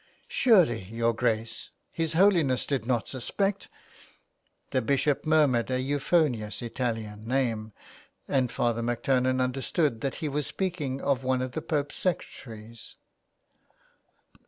" Surely, your Grace, His Holiness did not suspect " The Bishop murmured an euphonious Italian name, and Father MacTurnan understood that he was speaking of one of the Pope's secretaries.